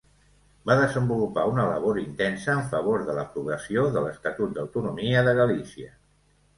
Va desenvolupar una labor intensa en favor de l'aprovació de l'Estatut d'autonomia de Galícia.